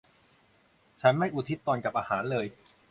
ฉันไม่อุทิศตนกับอาหารเลย